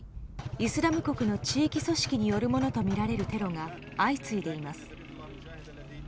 イスラム国の地域組織によるものとみられるテロが相次いでいます。